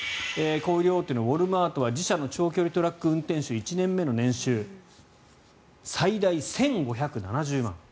小売り大手のウォルマートは自社の長距離トラック運転手１年目の年収最大１５７０万円。